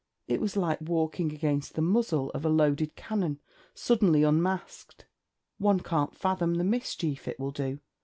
It was like walking against the muzzle of a loaded cannon suddenly unmasked. One can't fathom the mischief it will do.